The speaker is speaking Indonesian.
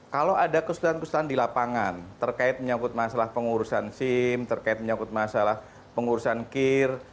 kalau ada kesulitan kesulitan di lapangan terkait menyangkut masalah pengurusan sim terkait menyangkut masalah pengurusan kir